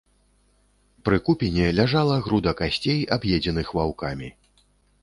Пры купіне ляжала груда касцей, аб'едзеных ваўкамі.